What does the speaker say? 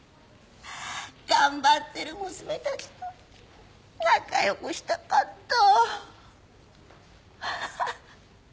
頑張ってる娘たちと仲良くしたかった。